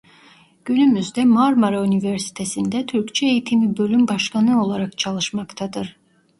Günümüzde Marmara Üniversitesinde Türkçe Eğitimi bölüm başkanı olarak çalışmaktadır.